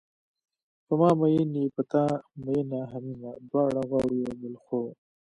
په ما میین یې په تا مینه همیمه دواړه غواړو یو بل خو